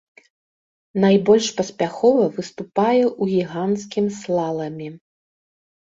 Найбольш паспяхова выступае ў гіганцкім слаламе.